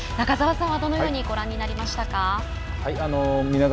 中澤さんはどのようにご覧になりましたか。